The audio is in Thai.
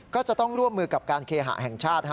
ก็จะต้องร่วมมือกับการเคหะแห่งชาติ